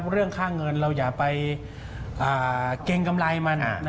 เรื่องค่าเงินเราอย่าไปเกรงกำไรมัน